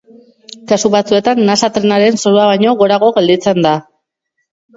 Kasu batzuetan nasa trenaren zorua baino gorago gelditzen da.